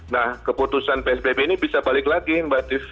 nah keputusan psbb ini bisa balik lagi mbak tiff